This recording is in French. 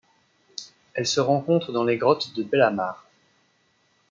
Elle se rencontre dans les grottes de Bellamar.